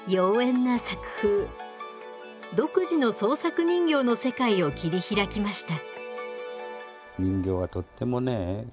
独自の創作人形の世界を切り開きました。